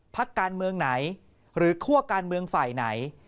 พักการเมืองไหนหรือคั่วการเมืองฝ่ายไหน